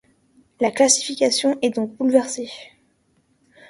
La classification est donc bouleversée.